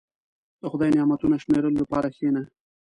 • د خدای نعمتونه شمیرلو لپاره کښېنه.